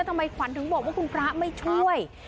ใครถึงบอกว่าคุณพระไม่ช่วย